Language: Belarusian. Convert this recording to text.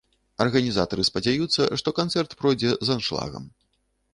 Арганізатары спадзяюцца, што канцэрт пройдзе з аншлагам.